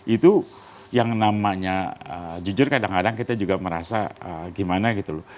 itu yang namanya jujur kadang kadang kita juga merasa gimana gitu loh